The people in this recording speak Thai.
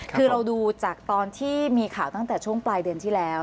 คือเราดูจากตอนที่มีข่าวตั้งแต่ช่วงปลายเดือนที่แล้ว